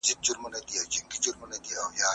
وروسته دا روغتیايي نظام ته داخل شوه.